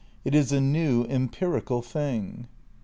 It is a new empirical thing.